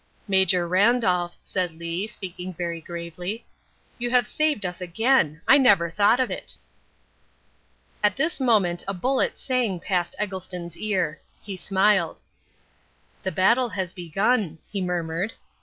"Major Randolph," said Lee, speaking very gravely, "you have saved us again. I never thought of it." At this moment a bullet sang past Eggleston's ear. He smiled. "The battle has begun," he murmured.